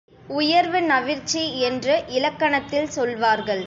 இதை உயர்வு நவிற்சி என்று இலக்கணத்தில் சொல்வார்கள்.